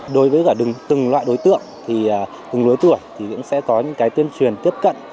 đối với cả từng loại đối tượng thì từng lứa tuổi thì cũng sẽ có những cái tuyên truyền tiếp cận